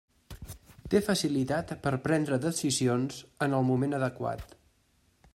Té facilitat per prendre decisions en el moment adequat.